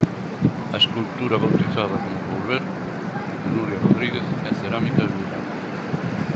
A escultura bautizada como 'Volver', de Nuria Rodríguez, é cerámica vidrada.